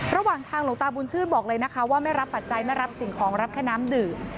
ระหว่างทางหลวงตาบุญชื่นบอกเลยนะคะว่าไม่รับปัจจัยไม่รับสิ่งของรับแค่น้ำดื่ม